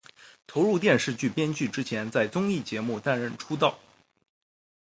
投入电视剧编剧之前在综艺节目担任出道。